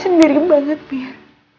sendiri banget mir